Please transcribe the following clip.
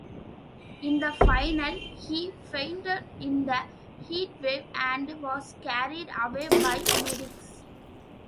In the final, he fainted in the heatwave and was carried away by medics.